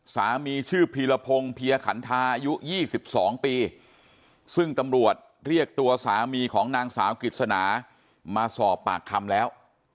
สามีชื่อพีรพงศ์เพียขันทาอายุ๒๒ปีซึ่งตำรวจเรียกตัวสามีของนางสาวกฤษณามาสอบปากคำแล้ว